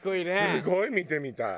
すごい見てみたい。